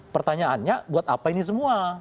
pertanyaannya buat apa ini semua